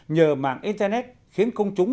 nhờ mạng internet khiến công chúng